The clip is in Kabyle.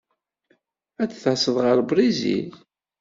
Ad d-taseḍ ɣer Brizil?